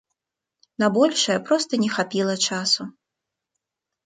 На большае проста не хапіла часу.